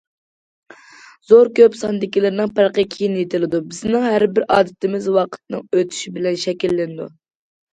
زور كۆپ ساندىكىلىرىنىڭ پەرقى كېيىن يېتىلىدۇ، بىزنىڭ ھەر بىر ئادىتىمىز ۋاقىتنىڭ ئۆتۈشى بىلەن شەكىللىنىدۇ.